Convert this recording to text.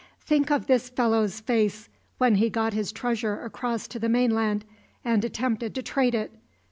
"Think of this fellow's face when he got his treasure across to the mainland and attempted to trade it!